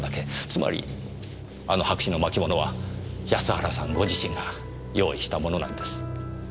つまりあの白紙の巻物は安原さんご自身が用意したものなんです。